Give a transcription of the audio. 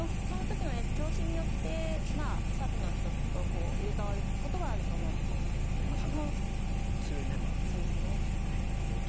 その時の調子によってサブの人と入れ替わることはあると思うんですけど強いメンバー。